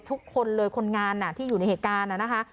ทุกคนเลยคนงานที่อยู่ในเหตุการณ์นะคะ